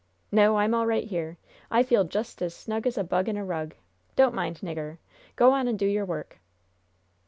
"No. I'm all right here. I feel just as 'snug as a bug in a rug.' Don't mind, nigger. Go on and do your work."